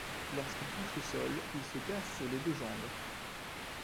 Lorsqu'il touche le sol, il se casse les deux jambes.